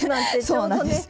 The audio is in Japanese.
そうなんです。